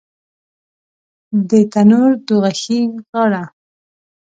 د تنور دوږخي غاړه